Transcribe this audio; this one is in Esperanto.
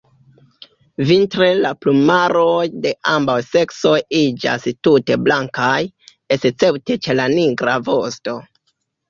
Vintre la plumaroj de ambaŭ seksoj iĝas tute blankaj, escepte ĉe la nigra vosto.